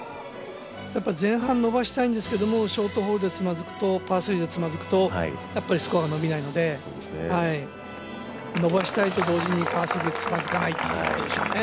前半伸ばしたいんですけどショートホールパー３でつまずくとスコアが伸びないので伸ばしたいと同時にパー３でつまずかないというところでしょうね。